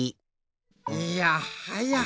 いやはや。